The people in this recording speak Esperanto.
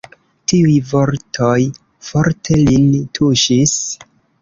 Tiuj vortoj forte lin tuŝis.